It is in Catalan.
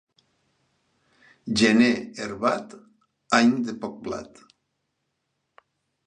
Gener herbat, any de poc blat.